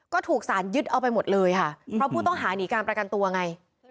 ก็ถูกสารยึดเอาไปหมดเลยค่ะเพราะผู้ต้องหาหนีการประกันตัวไง